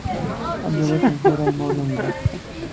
Anda-ten tura yimawlan-ik?